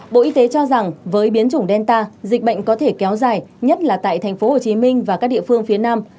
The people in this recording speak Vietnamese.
bộ y tế cho rằng với biến chủng delta dịch bệnh có thể kéo dài nhất là tại tp hcm và các địa phương phía nam